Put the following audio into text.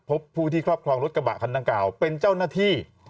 พบผู้ที่ครอบครองรถกระบะคันดังกล่าวเป็นเจ้าหน้าที่